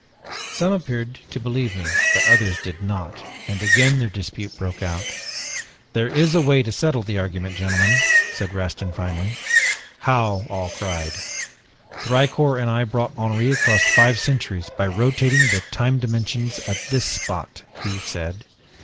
Some appeared to believe me but others did not, and again their dispute broke out. "'There is a way to settle the argument, gentlemen,' said Rastin finally. "'How?' all cried. "'Thicourt and I brought Henri across five centuries by rotating the time dimensions at this spot,' he said.